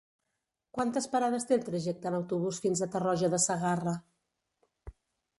Quantes parades té el trajecte en autobús fins a Tarroja de Segarra?